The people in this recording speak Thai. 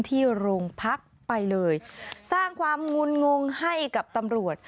ที่โรงพักไปเลยสร้างความงุนงงให้กับตำรวจ